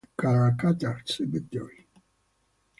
He is buried at Karrakatta Cemetery.